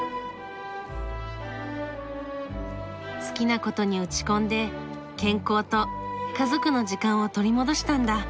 好きなことに打ち込んで健康と家族の時間を取り戻したんだ。